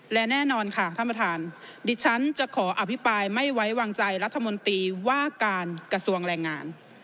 และแน่นอนค่ะท่านประธานดิฉันจะขออภิปรายไม่ไว้วางใจรัฐมนตรีว่าการกระทรวงแรงงาน